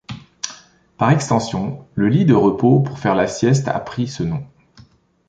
Par extension, le lit de repos pour faire la sieste a pris ce nom.